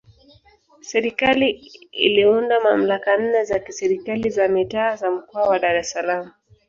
Serikali iliunda mamlaka nne za Serikali za Mitaa za Mkoa wa Dar es Salaam